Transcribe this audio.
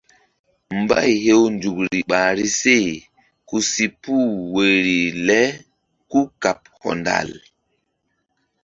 Mbay hew nzukri ɓahri se ku si puh woyri le kúkaɓ hɔndal.